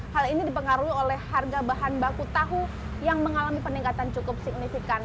hal ini dipengaruhi oleh harga bahan baku tahu yang mengalami peningkatan cukup signifikan